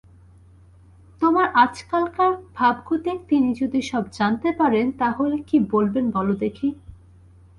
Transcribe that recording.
তোমার আজকালকার ভাবগতিক তিনি যদি সব জানতে পারেন তা হলে কী বলবেন বলো দেখি।